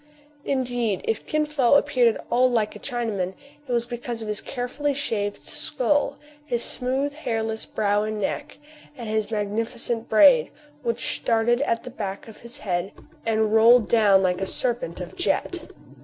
Indeed, if Kin Fo appeared at all like a China man, it was because of his carefully shaved skull ; his smooth, hairless brow and neck ; and his mag nificent braid, which started at the back of his head, and rolled down like a serpent of jet.